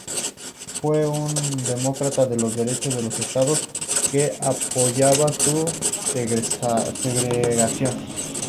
Fue un demócrata de los Derechos de los Estados que apoyaba la segregación.